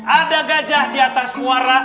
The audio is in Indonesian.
ada gajah di atas muara